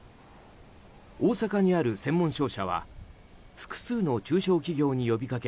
大阪にある専門商社は複数の中小企業に呼びかけ